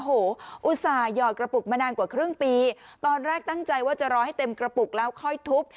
โอ้โหอุตส่าหยอดกระปุกมานานกว่าครึ่งปีตอนแรกตั้งใจว่าจะรอให้เต็มกระปุกแล้วค่อยทุบ